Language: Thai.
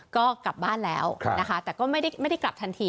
ก็กลับบ้านแล้วนะคะแต่ก็ไม่ได้กลับทันที